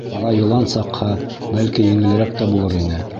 Ҡара йылан саҡһа, бәлки, еңелерәк тә булыр ине...